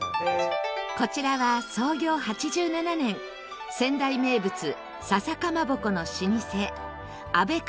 こちらは創業８７年仙台名産、笹かまぼこの老舗阿部